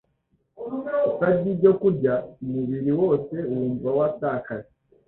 ipfa ry’ibyokurya. Umubiri wose wumva watakaje